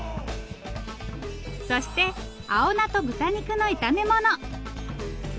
そして青菜と豚肉の炒め物。